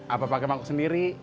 apa pakai mangkok sendiri